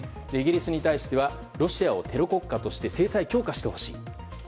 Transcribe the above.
イギリスに対してはロシアをテロ国家として制裁強化してほしい。